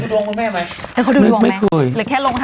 ดูดวงด้วยแม่ไหมไม่เคยไม่เคยเขาดูดวงไหม